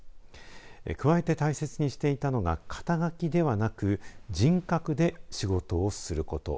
加えて大切にしていたのが肩書ではなく人格で仕事をすること。